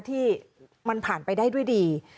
ที่มันผ่านไปได้ด้วยดี